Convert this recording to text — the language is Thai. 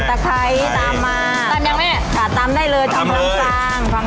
ตะไคร้ตามมาตามยังแม่อ่ะตามได้เลยตามข้าง